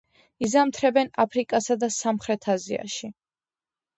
იზამთრებენ აფრიკასა და სამხრეთ აზიაში.